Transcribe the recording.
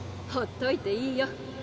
ほっといていいよ。